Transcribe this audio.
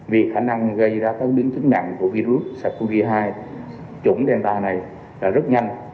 vì khả năng gây ra biến chứng nặng của virus sạc covid một mươi chín này rất nhanh